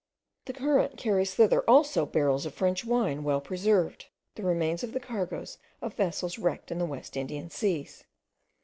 The current carries thither also barrels of French wine, well preserved, the remains of the cargoes of vessels wrecked in the West Indian seas.